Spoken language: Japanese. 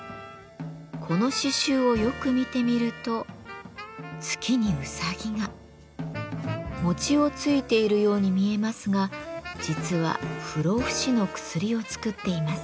この刺繍をよく見てみると月にうさぎが。をついているように見えますが実は不老不死の薬を作っています。